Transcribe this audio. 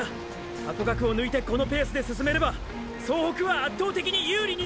ハコガクを抜いてこのペースで進めれば総北は圧倒的に有利になる！！